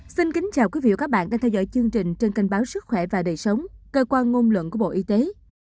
xin kính chào quý vị và các bạn đang theo dõi chương trình trên kênh báo sức khỏe và đời sống cơ quan ngôn luận của bộ y tế